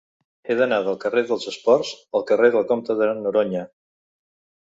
He d'anar del carrer dels Esports al carrer del Comte de Noroña.